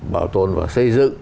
bảo tồn và xây dựng